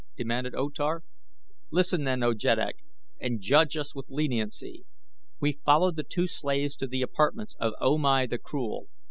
demanded O Tar. "Listen, then, O Jeddak, and judge us with leniency. We followed the two slaves to the apartments of O Mai the Cruel.